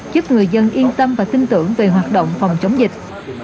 giúp người dân yên tâm và tin tưởng về hoạt động phòng chống dịch